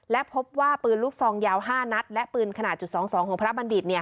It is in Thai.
และพบว่าปืนลูกซองยาวห้านัดและปืนขนาดจุดสองสองของพระบัณฑิตเนี่ย